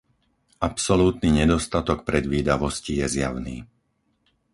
Absolútny nedostatok predvídavosti je zjavný.